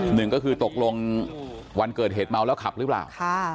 หนึ่งก็คือตกลงวันเกิดเหตุเมาแล้วขับหรือเปล่า